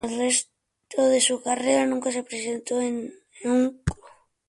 Por el resto de su carrera nunca se presentaría en un club.